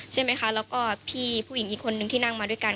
ใช่ไหมคะแล้วก็พี่ผู้หญิงอีกคนนึงที่นั่งมาด้วยกัน